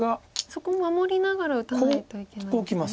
そこ守りながら打たないといけない。